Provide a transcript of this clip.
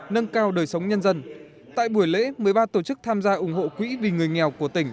nâng cao đời sống nhân dân tại buổi lễ một mươi ba tổ chức tham gia ủng hộ quỹ vì người nghèo của tỉnh